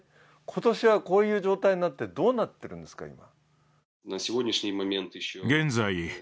今年はこういう状態になって、どうなってるんですか、今？